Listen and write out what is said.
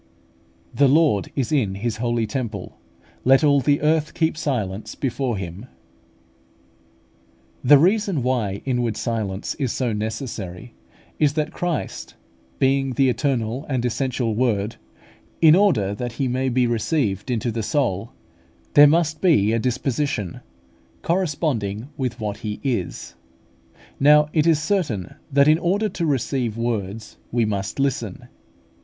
"The Lord is in His holy temple: let all the earth keep silence before Him" (Hab. ii. 20). The reason why inward silence is so necessary is, that Christ, being the eternal and essential Word, in order that He may be received into the soul, there must be a disposition corresponding with what He is. Now it is certain that in order to receive words we must listen.